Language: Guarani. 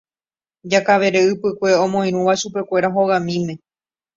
Jakavere Ypykue omoirũva chupekuéra hogamíme.